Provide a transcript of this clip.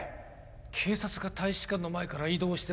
「警察が大使館の前から移動してます」